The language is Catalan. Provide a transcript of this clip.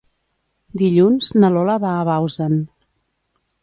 Dilluns na Lola va a Bausen.